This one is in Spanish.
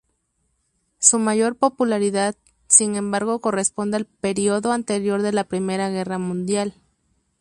Su mayor popularidad, sin embargo, corresponde al período anterior a la Primera Guerra Mundial.